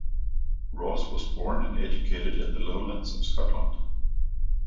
Ross was born and educated in the lowlands of Scotland.